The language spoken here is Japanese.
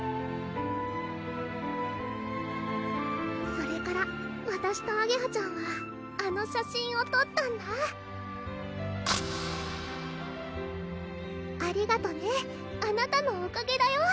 それからわたしとあげはちゃんはあの写真をとったんだありがとうねあなたのおかげだよ